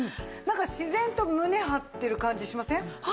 なんか自然と胸張ってる感じしません？